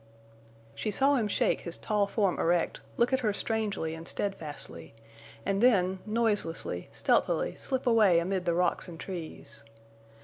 She saw him shake his tall form erect, look at her strangely and steadfastly, and then, noiselessly, stealthily slip away amid the rocks and trees.